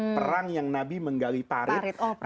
perang yang nabi menggali parit